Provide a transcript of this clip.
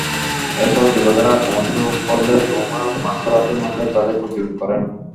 এরপর যুবকেরা আক্রমণ শুরু করলে রুমা মার্শাল আর্টের মাধ্যমে তাঁদের প্রতিরোধ করেন।